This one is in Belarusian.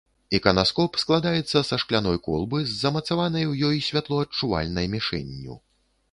Іканаскоп складаецца са шкляной колбы з замацаванай у ёй святлоадчувальнай мішэнню.